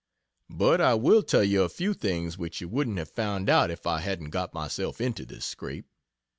But I will tell you a few things which you wouldn't have found out if I hadn't got myself into this scrape.